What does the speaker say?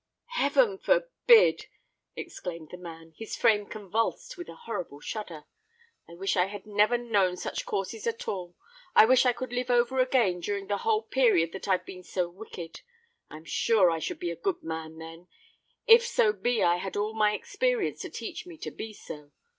"Heaven forbid!" exclaimed the man, his frame convulsed with a horrible shudder. "I wish I had never known such courses at all: I wish I could live over again during the whole period that I've been so wicked. I am sure I should be a good man then—if so be I had all my experience to teach me to be so.